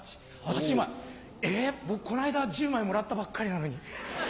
８枚え僕こないだ１０枚もらったばっかりなのに。